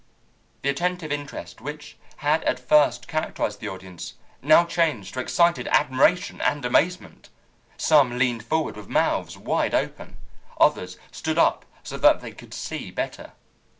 The attentive interest which had at first characterized the audience now changed to excited admiration and amazement. Some leaned forward with mouths wide open. Others stood up so that they could see better.